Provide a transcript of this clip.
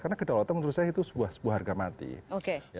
karena kedalaman menurut saya itu sebuah harga matang